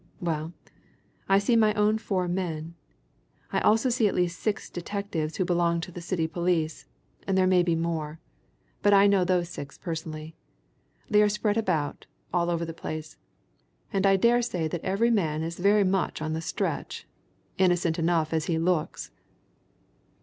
Well, I see my own four men I also see at least six detectives who belong to the City police, and there may be more. But I know those six personally. They are spread about, all over the place, and I daresay that every man is very much on the stretch, innocent enough as he looks."